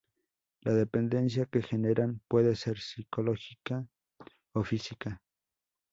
La dependencia que generan puede ser psicológica o física.